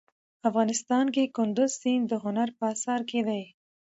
افغانستان کې کندز سیند د هنر په اثار کې دی.